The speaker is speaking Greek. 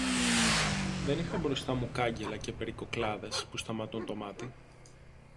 Δεν είχα μπροστά μου κάγκελα και περικοκλάδες που σταματούν το μάτι